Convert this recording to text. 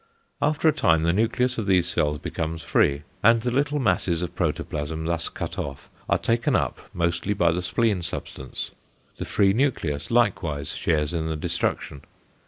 After a time the nucleus of these cells becomes free, and the little masses of protoplasm thus cut off are taken up mostly by the spleen substance. The free nucleus likewise shares in the destruction.